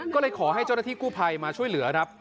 ก็เลยขอให้เจ้าหน้าที่กู้ภัยมาช่วยเหลือครับ